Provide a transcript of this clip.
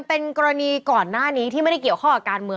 เป็นกรณีก่อนหน้านี้ที่ไม่ได้เกี่ยวข้องกับการเมือง